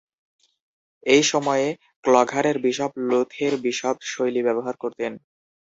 এই সময়ে ক্লঘারের bishop "লুথের bishop" শৈলী ব্যবহার করতেন।